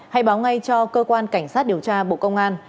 hãy báo ngay cho cơ quan cảnh sát điều tra bộ công an